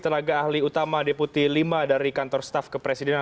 tenaga ahli utama deputi lima dari kantor staf kepresidenan